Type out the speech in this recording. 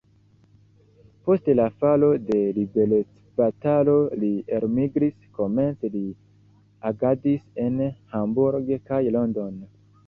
Post la falo de liberecbatalo li elmigris, komence li agadis en Hamburg kaj London.